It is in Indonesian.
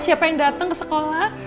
siapa yang datang ke sekolah